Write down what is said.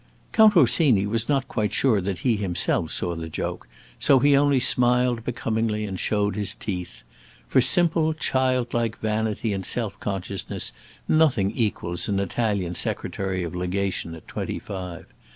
Count Orsini was not quite sure that he himself saw the joke, so he only smiled becomingly and showed his teeth. For simple, childlike vanity and self consciousness nothing equals an Italian Secretary of Legation at twenty five.